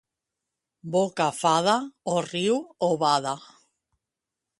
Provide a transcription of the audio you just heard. Boca fada, o riu o bada.